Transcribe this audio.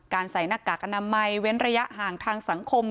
ใส่หน้ากากอนามัยเว้นระยะห่างทางสังคม